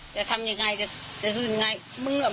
จะทำยังไงจะสู้ยังไง